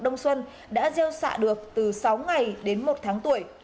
đông xuân đã gieo xạ được từ sáu ngày đến một tháng tuổi